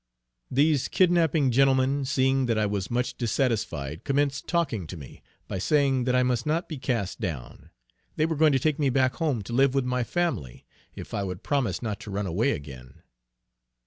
These kidnapping gentlemen, seeing that I was much dissatisfied, commenced talking to me, by saying that I must not be cast down; they were going to take me back home to live with my family, if I would promise not to run away again.